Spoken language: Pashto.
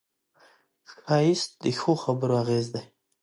ښایست د ښو خبرو اغېز دی